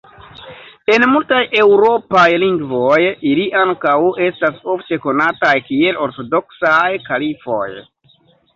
En multaj eŭropaj lingvoj ili ankaŭ estas ofte konataj kiel ortodoksaj kalifoj.